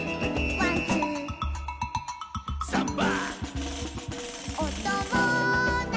「ワンツー」「サンバ！」